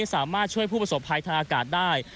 สามารถช่วยผู้ประสบภัยทางอากาศได้